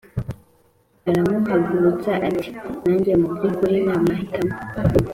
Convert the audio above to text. aramuhagurutsa ati: nanjye mubyukuri ntamahitamo